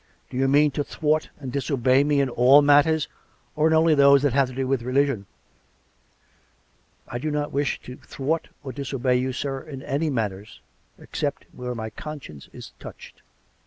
Do you mean to thwart and disobey me in all matters, or in only those that have to do with religion.'' "" I do not wish to thwart or disobey you, sir, in any matters except where my conscience is touched."